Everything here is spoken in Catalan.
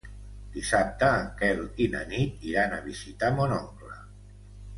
Dissabte en Quel i na Nit iran a visitar mon oncle.